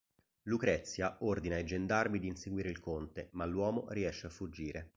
Lucrezia ordina ai gendarmi di inseguire il conte, ma l'uomo riesce a fuggire.